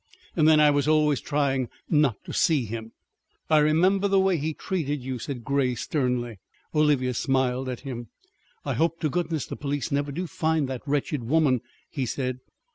And then I was always trying not to see him." "I remember the way he treated you," said Grey sternly. Olivia smiled at him. "I hope to goodness the police never do find that wretched woman!" he said.